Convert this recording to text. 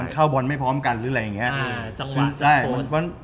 เข้าบอลไม่พร้อมกันหรืออะไรอย่างนี้